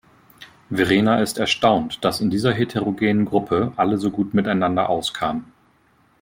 Verena ist erstaunt, dass in dieser heterogenen Gruppe alle so gut miteinander auskamen.